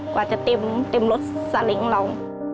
กว่าจะเต็มรถสาเล้งเรา